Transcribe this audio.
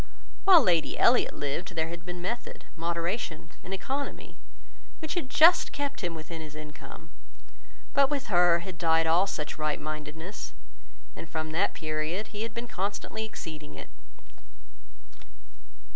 While Lady Elliot lived, there had been method, moderation, and economy, which had just kept him within his income; but with her had died all such right mindedness, and from that period he had been constantly exceeding it.